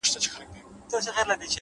پوهه د انسان وزرونه پیاوړي کوي؛